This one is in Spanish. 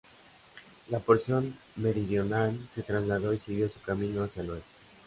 La porción meridional se trasladó y siguió su camino hacia el oeste.